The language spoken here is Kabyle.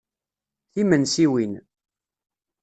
Timensiwin.